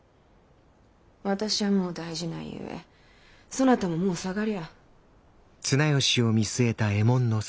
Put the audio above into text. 私はもう大事ないゆえそなたももう下がりゃ。